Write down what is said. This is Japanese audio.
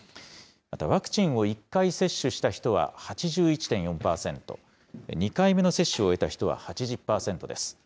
また、ワクチンを１回接種した人は８１．４％、２回目の接種を終えた人は８０％です。